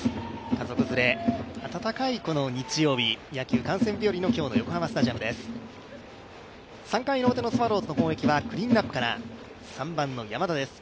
家族連れ、暖かい日曜日、野球観戦日和の今日の横浜スタジアムです。